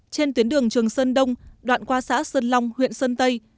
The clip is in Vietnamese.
trên tuyến đường trường sơn đông đoạn qua xã sơn long huyện sơn tây